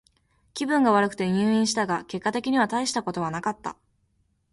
気分が悪くて入院したが、結果的にはたいしたことはなかった。